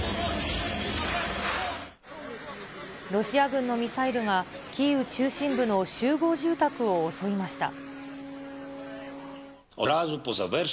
ロシア軍のミサイルがキーウ中心部の集合住宅を襲いました。